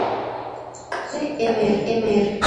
Su padre, Mr.